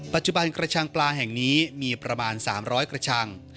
ปัจจุบันกระชังปลาแห่งนี้มีประมาณ๓๐๐กระชัง